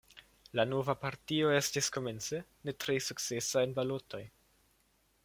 La nova partio estis komence ne tre sukcesa en balotoj.